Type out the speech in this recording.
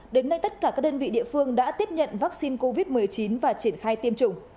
đến nay tất cả các đơn vị địa phương đã tiếp nhận vaccine covid một mươi chín và triển khai tiêm chủng